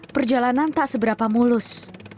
perjalanan tak seberapa mulus